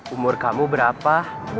umur kamu berapa